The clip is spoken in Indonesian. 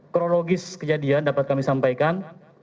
kronologis kejadian dapat kami sampaikan